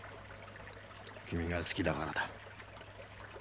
君が好きだからだ。